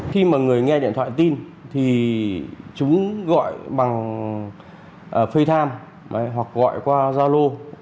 khi mà người nghe điện thoại tin thì chúng gọi bằng feal hoặc gọi qua zalo